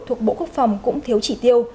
thuộc bộ quốc phòng cũng thiếu chỉ tiêu